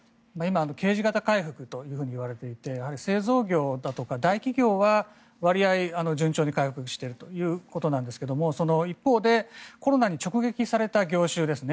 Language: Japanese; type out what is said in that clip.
Ｋ字型回復といわれていて製造業だとか大企業はわりあい順調に回復しているということですが一方で、コロナに直撃された業種ですね。